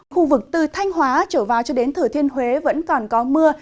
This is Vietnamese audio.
khu vực từ thanh hóa trở vào cho đến thừa thiên huế vẫn còn có mưa